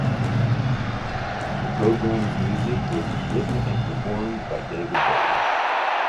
The programme's music was written and performed by David Bowie.